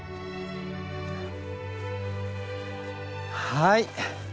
はい！